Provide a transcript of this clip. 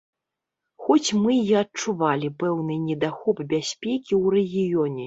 Хоць мы і адчувалі пэўны недахоп бяспекі ў рэгіёне.